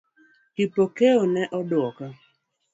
Kipokeo ne oduoko